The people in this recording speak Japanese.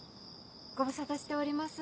ご無沙汰しております。